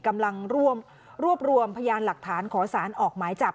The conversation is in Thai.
กำลังรวบรวมพยานหลักฐานขอสารออกหมายจับ